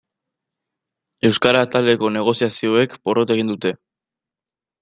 Euskara ataleko negoziazioek porrot egin dute.